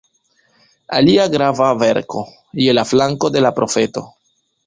Alia grava verko: "Je la flanko de la profeto.